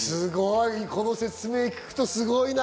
この説明聞くとすごいな。